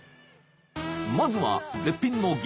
［まずは絶品の激